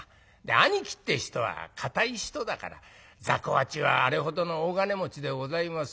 兄貴って人は堅い人だから『ざこ八はあれほどの大金持ちでございます。